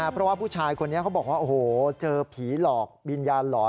เพราะว่าผู้ชายคนนี้เขาบอกว่าโอ้โหเจอผีหลอกวิญญาณหลอน